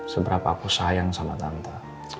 seberapa aku sayang sama tante